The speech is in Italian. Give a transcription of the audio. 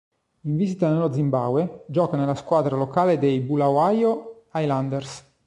In visita nello Zimbabwe, gioca nella squadra locale dei "Bulawayo Highlanders".